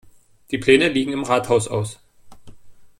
Die Pläne liegen im Rathaus aus.